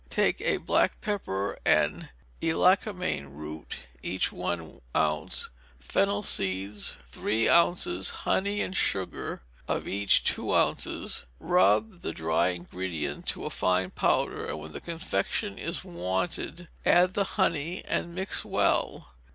Take of black pepper and elecampane root, each one ounce; fennel seeds, three ounces; honey and sugar, of each two ounces. Rub the dry ingredient to a fine powder, and when the confection is wanted, add the honey, and mix well.